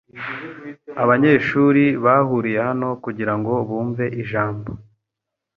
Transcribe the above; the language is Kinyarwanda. Abanyeshuri bahuriye hano kugirango bumve ijambo